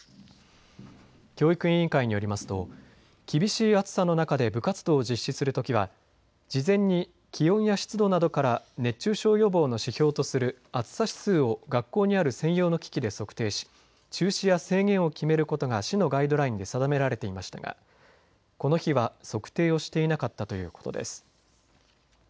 教育委員会によりますと厳しい暑さの中で部活動を実施するときは事前に気温や湿度などから熱中症予防の指標とする暑さ指数を学校にある専用の機器で測定し中止や制限を決めることが市のガイドラインで定められていましたがこの日は測定をしていなかったということです。